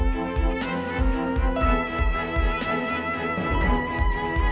ทุกคนพร้อมแล้วขอเสียงปลุ่มมือต้อนรับ๑๒สาวงามในชุดราตรีได้เลยค่ะ